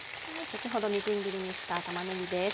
先ほどみじん切りにした玉ねぎです。